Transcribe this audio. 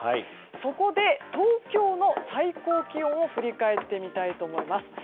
そこで東京の最高気温を振り返ってみたいと思います。